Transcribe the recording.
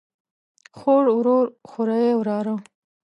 خور، ورور، خوریئ ،وراره